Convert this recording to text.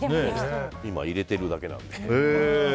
今、入れてるだけなので。